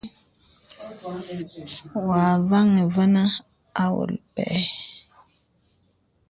Ôvaŋha vənə àwōlə̀ mpə̀.